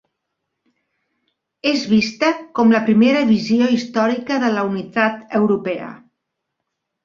És vista com la primera visió històrica de la unitat europea.